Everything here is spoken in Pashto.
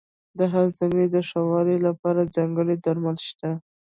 د هاضمې د ښه والي لپاره ځانګړي درمل شته.